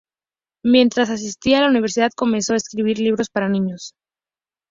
Mientras asistía a la universidad, comenzó a escribir libros para niños.